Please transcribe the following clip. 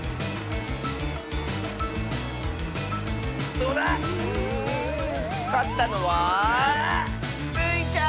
どうだ⁉んかったのはスイちゃん！